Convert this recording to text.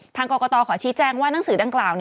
ทางกรกตขอชี้แจงว่านังสือดังกล่าว